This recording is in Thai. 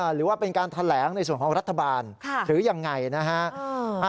หรือว่าเป็นการแถลงในส่วนของรัฐบาลหรือยังไงนะฮะ